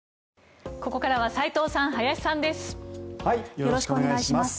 よろしくお願いします。